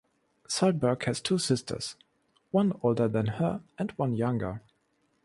Solberg has two sisters, one older than her and one younger.